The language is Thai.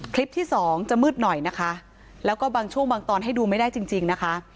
คลิปที่สองจะมืดหน่อยนะคะแล้วก็บางช่วงบางตอนให้ดูไม่ได้จริงจริงนะคะ